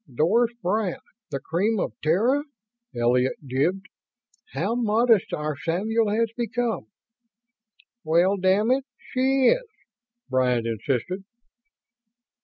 "Doris Bryant, the cream of Terra!" Elliott gibed. "How modest our Samuel has become!" "Well, damn it, she is!" Bryant insisted.